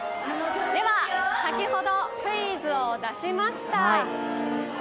では先ほど、クイズを出しました。